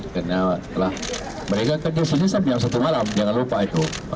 karena mereka kerja di sini sampai setengah malam jangan lupa itu